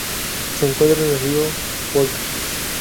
Se encuentra en el río Volta.